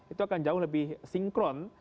itu akan jauh lebih sinkron